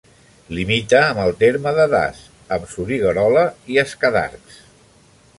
Limita amb el terme de Das, amb Soriguerola i Escadarcs.